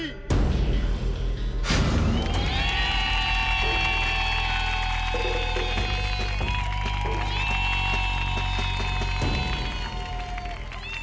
เฮ้ค่ะ